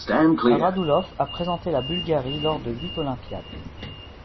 Radulov a représenté la Bulgarie lors de huit olympiades.